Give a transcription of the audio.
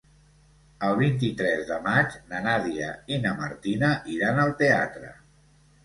El vint-i-tres de maig na Nàdia i na Martina iran al teatre.